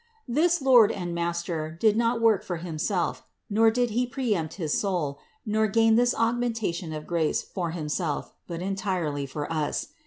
149. This Lord and Master did not work for Himself, nor did He preempt his soul, nor gain this augmentation of grace, for Himself, but entirely for us.